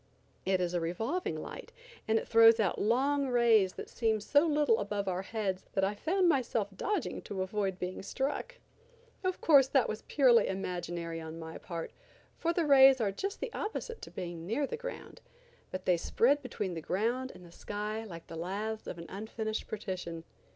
It is a revolving light, and it throws out long rays that seem so little above our heads that I found myself dodging to avoid being struck. Of course, that was purely imaginary on my part, for the rays are just the opposite to being near the ground, but they spread between the ground and the sky like the laths of an unfinished partition.